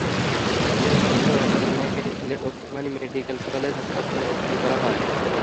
এঁদের মধ্যে রতন মিয়াকে সিলেট ওসমানী মেডিকেল কলেজ হাসপাতালে ভর্তি করা হয়।